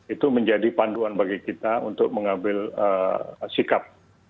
itu menjadi panduan bagi kita untuk mengambil sikap